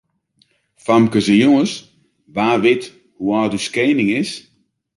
Famkes en jonges, wa wit hoe âld as ús kening is?